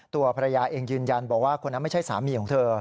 ตัวภรรยาเองยืนยันบอกว่าคนนั้นไม่ใช่สามีของเธอ